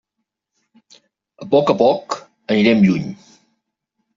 A poc a poc anirem lluny.